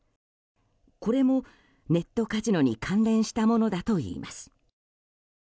これもネットカジノに関連したものだといいます。